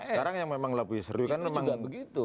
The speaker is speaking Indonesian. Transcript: sekarang yang memang lebih seru kan memang begitu